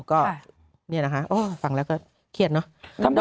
ก็เนี่ยนะคะฟังแล้วก็เครียดเนอะ